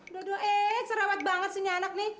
dodo eh serawat banget sunyianak nih